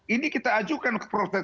ini kita ajukan ke prof